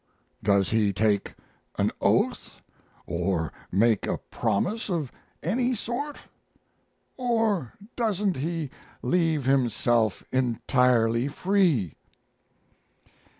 Does he take an oath or make a promise of any sort? or doesn't he leave himself entirely free?